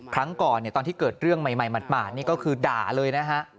ครั้งก่อนตอนที่เกิดเรื่องใหม่หมาดนี่ก็คือด่าเลยนะฮะ